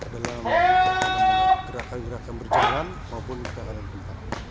dalam gerakan gerakan berjalan maupun gerakan yang berbentak